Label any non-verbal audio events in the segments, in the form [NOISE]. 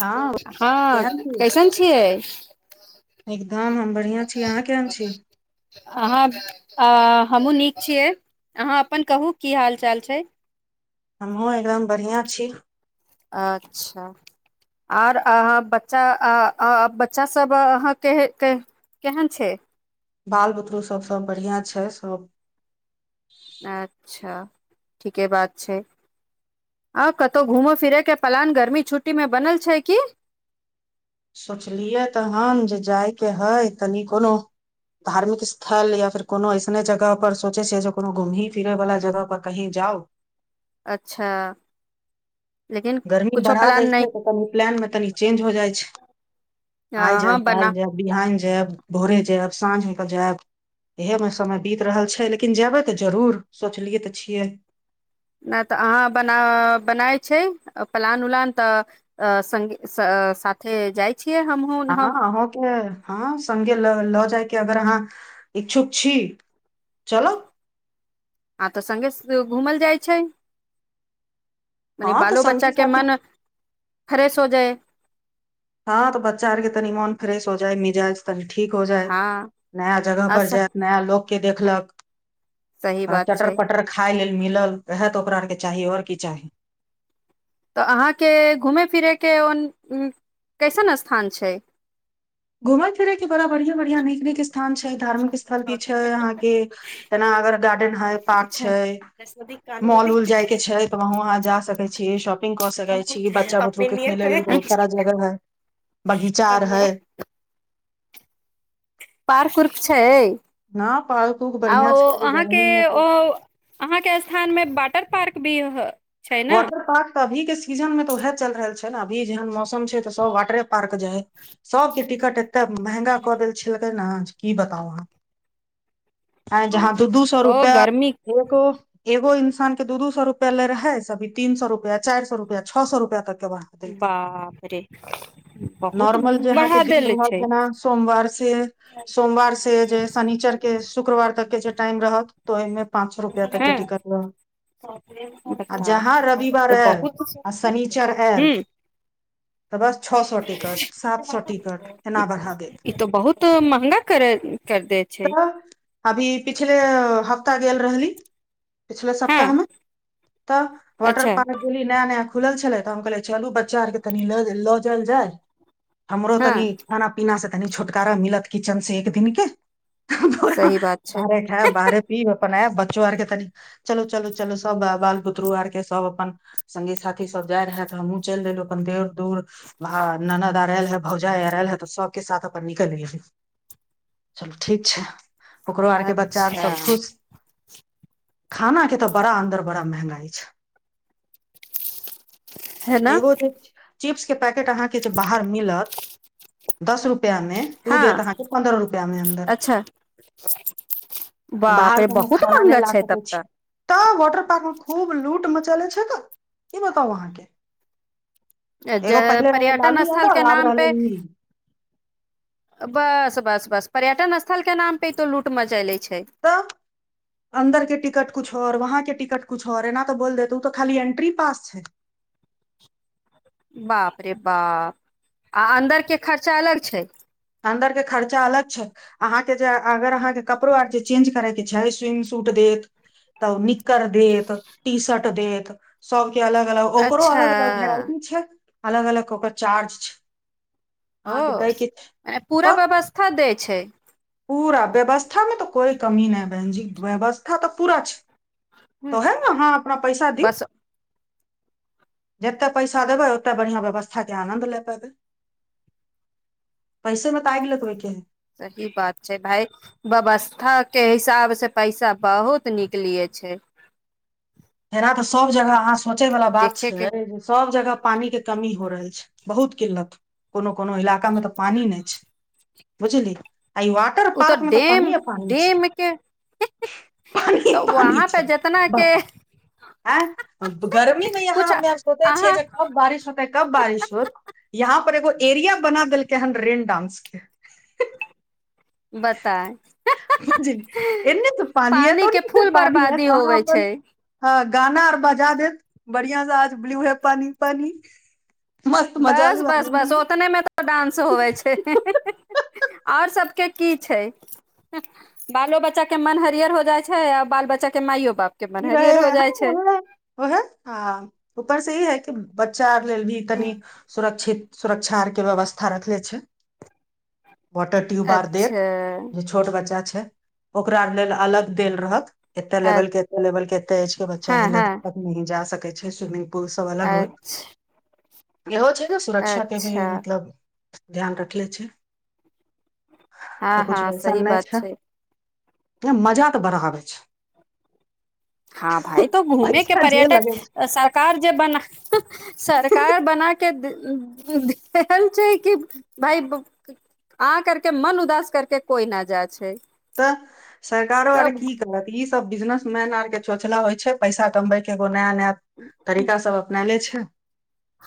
हँ हँ केहन छी कैसन छियै एकदम हम बढ़िआँ छी अहाँ केहन छी अहाँ आ हमहूँ नीक छियै अहाँ अपन कहू की हाल चाल छै हमहुँ एकदम बढ़िआं छै अच्छा आर अहाँ बच्चा आ बच्चा सभ अहाँके के केहन छै बाल बुतरू सभ सभ बढ़िआँ छै सभ अच्छा ठीके बात छै आँ कतहु घूमय फिरयके प्लान गर्मी छुट्टीमे बनल छै की सोचलियै तखन जे जायके हइ तनि कोनो धार्मिक स्थल या फेर कोनो अइसने जगहपर सोचै छियै जे कोनो घूमी फिरयवला जगहपर कहीँ जाउ अच्छा लेकिन गर्मी कुछो बढ़ा दै प्लान छै नहि तऽ कनि प्लान मे तनि चेंज हो जाइ छै आइ अहाँ जायब काल्हि बना जायब बिहान जायब भोरे जायब साँझ होइ कऽ जायब इएहमे समय बीत रहल छै लेकिन जेयबै तऽ जरूर सोचलियै तऽ छियै नहि तऽ अहाँ बना बनाय छै प्लान- उलान तऽ संगीऽ साथे जाइ छियै हमहूँ हम अहाँ अहु के अहाँऽ संगे लऽ ल जायके अगर अहाँ इच्छुक छी चलउ आ तऽ सङ्गे घूमल जाइ छै कने हाँ तऽ बालो बच्चा संगी के साथी मन फ्रेश हो जाए हँ त बच्चा आरके तनी मोन फ्रेश हो जाए मिजाज तनी ठीक हो जाय हँ नया जगह पर अच्छा जाय नया लोक के देखलक सही ह बात चटर छै पटर खाय लेल मिलल ओहेय तऽ ओकरा आरके चाही आओर की चाही तऽ अहाँके घूमय फिरयके उन कैसन स्थान छै घुमै फिरै कि बड़ा बढ़िया-बढ़ियाँ निक निक स् हँ छै धार्मिक स्थल भी छै अहाँ के एना अगर गार्डेन है पार्क अच्छा छै मॉल उल जाय के छै तऽ वहाँ जा सकै छी शॉपिंग क सकै छी बच्चा बुतरु के खेले लेल बहुत सारा जगह है बगीचा आर हैऽ पार्क उर्क छै हँ पार्क उर्क आ बढ़िया ओ छै अभी गर्मी अहाँके मे तऽ ओ अहाँके स्थान मे वाटर पार्क भी अह वाटर पार्क तऽ अभी के सीजन मे तो उह चल रहल छ। अभी जेहन मौसम छै तऽ सब वाटरे पार्क जैऽ है। सब के टिकट एते महंगा कऽ देल छलकै ने की बताउ अहाँ आ जहाँ दू दू सौ ओ रुपआ गर्मी एगो एगो इन। दू दू सौ रुपआ ले रहै हे सभी तीन सौ रुपया चार सौ रुपया छह सौ रुपया तक गवाह देलकै बाप रे बहुत नोर्मल जे अहाँक बढ़ा दिन देले भेलै छै जेना सोमवार से, सोमवार से जे शनिचरके शुक्रवार तक के जे टाइम रहत। तऽ एहिमे पाँच सौ रुपया तक के हँ टिकट लौ। आ बता जहाँ रविवार तऽ आयल बहुत शनिचर ह आयल तऽ बस छ सौ टिकट सात सौ टिकट एना बढ़ा देत ई तो बहुत महंगा कर कर दे छै तऽ अभी पिछले हप्ताह गेल रहि पिछले हँ सप्ताह मे वाटर अच्छा पार्क गेली न नया नया खुल छलै तऽ हम कहलियै चलू बच्चा आरके तनि ल गेल लऽ जायल जाइ हमरो तनी हँ खाना पीना स तनि छूटकारा मिलत किचन से एक दिन के पूरा सही बात छै बाहरे खायब बाहरे पीब अपन आयब बच्चो आरके तनी चलू चलू चलू सब वाह वाह बुतरु आर के सब अपन सङ्गी साथी सब जाय रहाए तऽ हमहूँ चलि देलहुँ अपन देूर दूर वा ननद आर आएल है भौजाइ आर आयल है तऽ सभके साथ अपन निकलि गेली चलू ठीक छै ओकरो आरके बच्चा आर अच्छा सभ खुश खाना के तऽ बड़ा अन्दर बड़ा महँंगाइ अच्छा है न [UNINTELLIGIBLE] चिप्स के पैकेट अहाँके जे बाहर मिलत दस रु- -पया मे ओ देत हँ पंद्रह रुपया मे अन्दर अच्छा बाप बाहर रे सँ अहाँ बहुत खाना नै महंगा ला छै तब सकै छी तऽ वाटर पार्क मे खूब लूट मचले छै क की बताउ अहाँके ए- जे एगो पहिले रहे पर्यटन लालू स्थल के यादव आब नाम रहले पे ई बस बस बस पर्यटन स्थल के नाम पे तो लूट मचले छै तब अन्दर के टिकट कुछ आओर वहाँके टिकट कुछ आओर बोल देत उ तऽ खाली एन्ट्री पास छै बाप रे बाप आ अन्दर के खर्चा अलग छै अन्दर के खर्चा अलग छै अहाँ के जे अगर अहाँके कपड़ो आर जे चेंज करे के छै स्विम सूट देत तऽ निक्कड़ देत टी शर्ट देत सब अलग अलग ओकरो अच्छा अलग अलग वेराइटी छै अलग अलग ओकर चार्ज छै ओ अहाँके दै के मने पूरा तऽ व्यवस्था दै छै पूरा व्यवस्थामे तऽ कोइ कमी नहि बहनजी व्यवस्था तऽ पूरा छै ह तऽ ओहे ने अहाँ अपना पैसा दिब बस जते पैसा देबै ओते बढ़ियां व्यवस्थाक आनन्द लए पेबै पैसेमे तऽ आगि लगबै के है सही बात छै भाय व्यवस्थाके हिसाबसँ पैसा बहुत निकलियै छै उहै तऽ सब जगह अहाँ से सोचै बाला बात देखे के छै जे सब जगह पानि के कमी छै हो रहल छै बहुत किल्लत कोनो कोनो इलाकामे तऽ पानि नहि छै बुझली आ ई वाटर उ तऽ पार्क मे डेम पानिये पानी छै डेम के पानिये तऽ वहाँ पे जतना के आ गर्मी मे यहाँ कुछ हमे सोचे छियै अहाँ जे कब बारिश होतै कब बारिश होत यहाँ पर एगो एरिया बना देलकै हन रेण डांस के बताए एने तु पानी ओने के तो फूल पानी है बर्बादी अहाँ होवे अपन छै हँ गाना आर बजा देत बढ़िया से आज ब्लू हे पानी पानी मस्त मजा बस लियौ बस आनन्द बस लियौ ओतने मे तऽ डांस होवे छै आओर सबके की छै बालो बच्चा के मन हरियर हो जाइ छै आ बाल बच्चा के माइयो बाप के मन पी रहे हरियर हो है जाइ छै हँ व है ह ऊपर से ही है कि बचा चा आर लेल भी तनी सुरक्षित सुरक्षा आरके व्यवस्था रखले छै वाटर ट्यूब आर देत अच्छा जे छोट बच्चा छै ओकरा आरके लेल अलग देल रहत एते लेवल के बोल कते एज के बच्चा हँ है लेन हँ तक नहि जा सकै छै स्वीमींग पुलसँ अलग होत अच्छा इहो छै ने सुरक्षा के भी अच्छा मतलब ध्यान रखने छै हँ तऽ कुछ हँ वैसन सही नहि बात छै मजा तऽ बड आबै छै हँ भाइ तऽ घूमे के पैसा जे पर्यटक लगै सरकार जे बना छै सरकार बना के देन छै कि भाय आ करके मन उदास करके कोई न जाय छै तऽ सरकारो आर सब की करत ई सब बिजनेस मैन आर के चोचला होय छै पैसा कमबै के नया नया तरीका सब अपनैने छै [UNINTELLIGIBLE]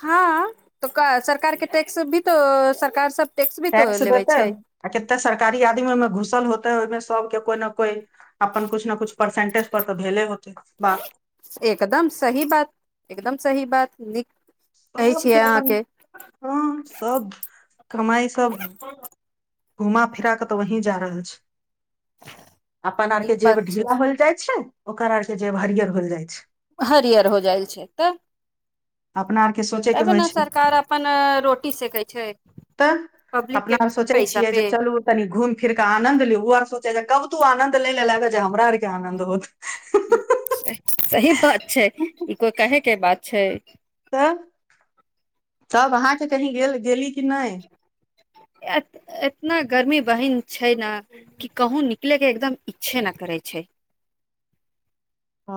हँ तऽ सरकार के टैक्स भी तो सरकार सब भी तो टैक्स लेबे देतै छै आ कते सरकारी आदमी ओहिमे घुसल होतेै ओहिमे सब के कोइ न कोई अपन कुछु ने कुछु परसेंटेज पर तऽ भेले होतै बाह एकदम सही बात एकदम सही बात निक सबके अपन हँ सब कमाइ सब घुमा फिरा कऽ तऽ वही जा रहल छै अपन नीक आरके जेब बात छै ढीला होइल जाइ छै। ओकर आर के जेब हरियर होइल जाय छै। हरियर हो जाइ छै तऽ अपना आर के सोचे के तब होइ ने छै सरकार अपन रोटी सेकै छै पब्लिक के पैसा छिय पे जे चलू तनी घुम-फिर क आनन्द ऊ और सोइचे जे कब तू आनन्द नइ लेलैं हमरा ओरीके आनन्द होत सही बात छै ई कोइ कहे के बात छै तऽ तब अहाँके कही गेल गेली कि नहि अ अ इतना गर्मी दहीन छै ने कि कहूँ निकले के एकदम इच्छे नइ करे छै ओ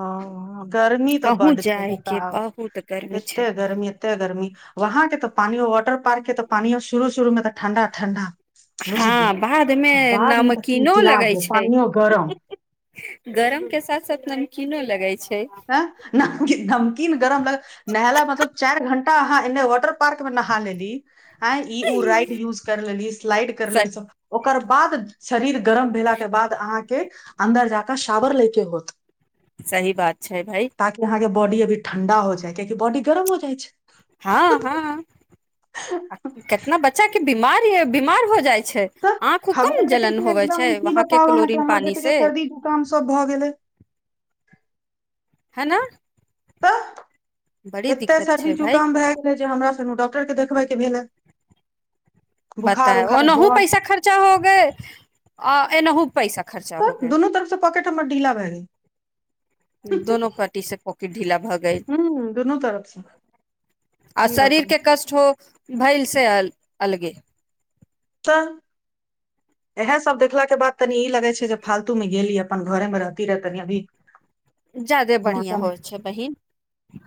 गर्मी तऽ कहूँ बड्ड छै जाय के बताउ बहुत गर्मी छै एते गर्मी एते गर्मी वहाँं के तऽ पानियो व वाटर पार्क के पानीयो शुरू- शुरू मे तऽ ठंढा -ठंढ़ा बझतै हँ बाद मे बादमे नमकीनो कीच लगै लाके छै पानिओ गरम गरम के साथ साथ नमकीनो लगे छै हऽ नाम गे नाम गरम लग नहला मतलब चारि घंटा अहाँ एन्ने वाटर। पार्क मे नहा लेली हैंय इ उ राइड यूज कर लेली स्लाइड कर सही लेली ओकर बाद शरीर गरम भेला के बाद अहाँके हे अन्दर जााकऽ शावर लेके होत सही बात छै भइ बँडी अभी ठंडा हो जाय के की बॉडी गरम हो जाइ छै हँ हुँ छै केतना बच्चा कि बीमार य बीमार हो जाइ छै। तऽ आँखो हमर कम बेटी जलन के होवे छै एकदम की वहां के बताउ अहाँके क्लोरीन हमर पानी बेटी के से सर्दी जुकाम सब भऽ गेलै। है न। तऽ बड़ी एते दिक्कत छै सर्दी भाई जुकाम भए गेलै जे हमरा सनू। सर के देखबैके भेल ह पताअय ओनाहो पैसा खर्चा हो गए आ एनाहु। पैसा खर्चा हो तऽ गए दुनू तरफसँ पॉकेट हमर ढीला भए गेल दोनो पट्टी से पाकेट ढीला भऽ गेल हूं दुनू तरफ से आ की शरीर बताउ के कष्ट हो भइल से अलग अलगे तऽ इएह सब देखलाके बाद तनी ई लगै छै जे फालतूमे गेली अपन घरेमे रहती रहै तनि अभी ज्यादे बढ़िया मौसम होइ छै बहिन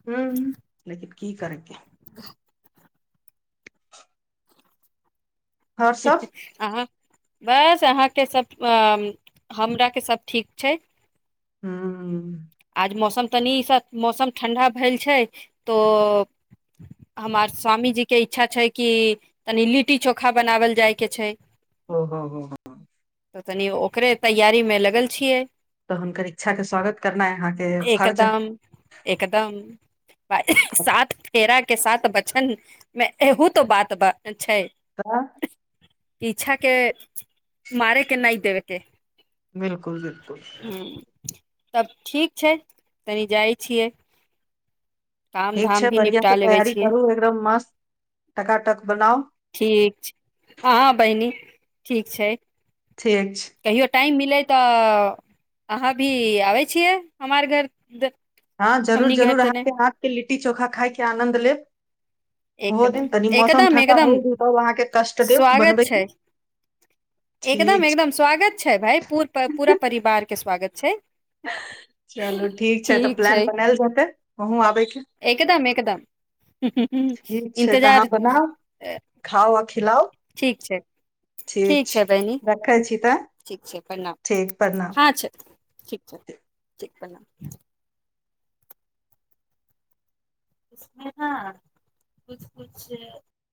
हूं लेकिन की करके और सब आ बस अहाँके सभ हमराके सभ ठीक छै ह्म मौसम तनि ई सब मौसम ठण्डा भेल छै तो हमर स्वामी जीके इच्छा छै कि तनि लिट्टी चोखा बनावल जाइके छै ओ हो हो हो हो तऽ तनी ओकरे तैयारी में लगल छियै तऽ हुनकर इच्छा के स्वागत करनाइ अहाँके फर्ज है एकदम एकदम सात फेरा के साथ बचन मे एहू त बात छै आँ पीछा के मारे के नहि देबैके बिल्कुल बिल्कुल तब ठीक छै तनि जाइ छियै काम ठीक धाम छै भी बढ़ियाँ निपटा से लेबे तैयारी छियै करू एकदम मस्त टकाटक बनाउ ठीक छै हँ बहिनी ठीक छै ठीक छै कहियो टाइममे तऽ अहाँ भी आबै छियै हमार घर हँ जरूर हमनी घर जरूर तने अहाँके हाथके लिट्टी चोखा खाइके आनंन्द लेब ओहो एकदम दिन तनी मौसम एकदम ठंडा एकदम होल दू तब अहाँके कष्ट देब स्वागत बनबै छै के एकदम ठीक छै एकदम स्वागत छै भाइ पू- पूरा परिवार के स्वागत छै चलू ठीक छै तऽ प्लान बनायल जेतै वहूँ आबयके एकदम एकदम ठीक छै तऽ अहाँ इन्तजार बनाउ खाउ आ खिलाउ ठीक छै ठीक छै रखै छी तऽ ठीक छै प्रणाम ठीक प्रणाम हँ छै ठीक छै ठीक प्रणाम [UNINTELLIGIBLE]